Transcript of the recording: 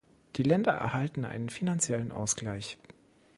Die Länder erhalten einen finanziellen Ausgleich.